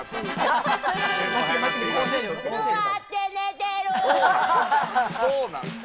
座って寝てる。